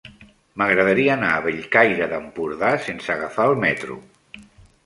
M'agradaria anar a Bellcaire d'Empordà sense agafar el metro.